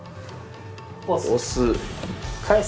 押す。